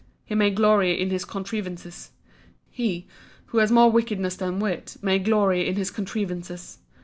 He may glory in his contrivances—he, who has more wickedness than wit, may glory in his contrivances!